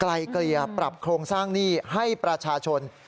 ไกลเกลี่ยปรับโครงสร้างหนี้ให้ประชาชน